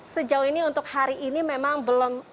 sejauh ini untuk hari ini memang belum